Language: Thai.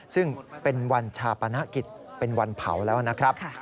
ซึ่งเป็นวันชาปนกิจเป็นวันเผาแล้วนะครับ